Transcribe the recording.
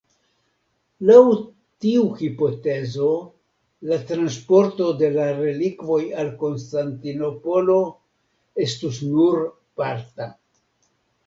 Laŭ tiu hipotezo, la transporto de la relikvoj al Konstantinopolo estus nur parta.